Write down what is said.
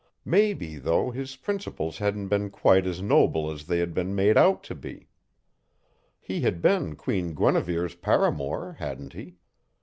Maybe, though, his principles hadn't been quite as noble as they had been made out to be. He had been Queen Guinevere's paramour, hadn't he?